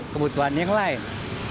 kebutuhan yang lain